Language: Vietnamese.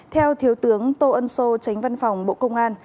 theo thiếu tướng tô ân sô tránh văn phòng bộ công an